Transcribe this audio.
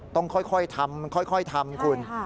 ต้องค่อยทำค่อยทำคุณ